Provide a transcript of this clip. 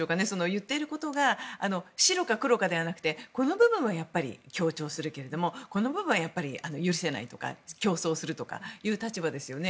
言っていることが白か黒かではなくてこの部分はやっぱり協調するけれどもこの部分はやっぱり許せないとか競争するという立場ですよね。